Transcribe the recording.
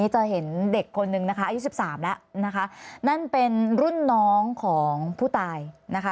จะเห็นเด็กคนนึงนะคะอายุสิบสามแล้วนะคะนั่นเป็นรุ่นน้องของผู้ตายนะคะ